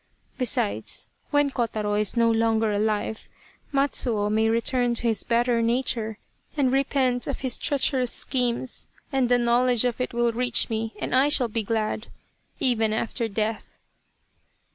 Besides, when Kotaro is no longer alive, Matsuo may return to his better nature and repent of his treacherous schemes, and the knowledge of it will reach me and I shall be glad, even after death."